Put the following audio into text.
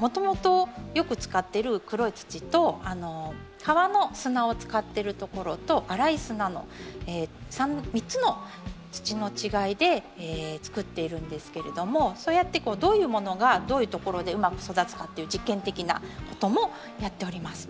もともとよく使ってる黒い土と川の砂を使ってるところとあらい砂の３つの土の違いでつくっているんですけれどもそうやってどういうものがどういうところでうまく育つかという実験的なこともやっております。